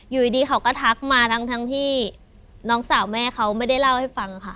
อยู่ดีเขาก็ทักมาทั้งที่น้องสาวแม่เขาไม่ได้เล่าให้ฟังค่ะ